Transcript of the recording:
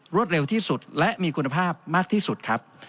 เร็วที่สุดและมีคุณภาพมากที่สุดครับ